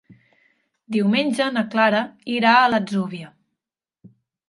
Diumenge na Clara irà a l'Atzúbia.